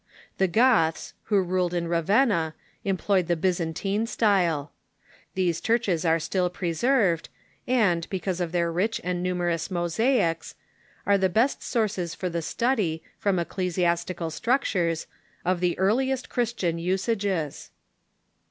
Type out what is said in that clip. The Goths, who ruled in Ravenna, employed the Byzantine style. These churches are still preserved, and, because of their rich and numerous mosaics, are the best sources for the study, from ecclesiastical struct ures, of the earliest Christian usages.